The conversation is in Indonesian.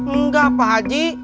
enggak pak haji